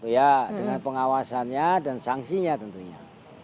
ya dengan pengawasannya dan sanksinya tentunya